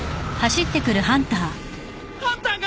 ハンターが！